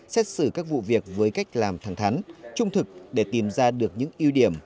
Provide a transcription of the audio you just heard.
xét xử các vụ việc với cách làm thẳng thắn trung thực để tìm ra được những ưu điểm